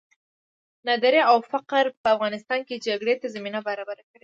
ناداري او فقر په افغانستان کې جګړې ته زمینه برابره کړې.